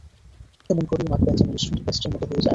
এমন করেই মাখবেন যেন মিশ্রণটি পেস্টের মতো হয়ে যায়।